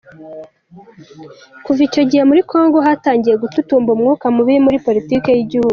Kuva icyo gihe muri Congo hatangiye gututumba umwuka mubi muri politiki y’igihugu.